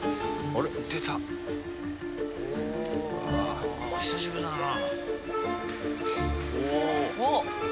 ああ久しぶりだな。